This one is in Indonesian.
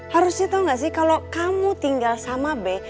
harusnya tau nggak sih kalau kamu tinggal sama be